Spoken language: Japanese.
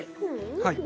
はい。